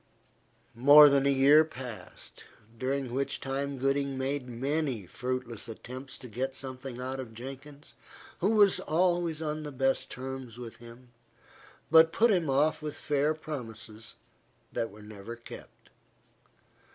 More than a year passed, during which time Gooding made many fruitless attempts to get something out of Jenkins, who was always on the best terms with him, but put him off with fair promises, that were never kept.